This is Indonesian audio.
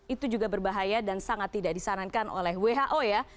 itu juga berbahaya dan sangat tidak disarankan oleh who ya